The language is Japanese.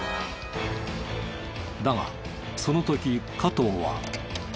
だがその時加藤は。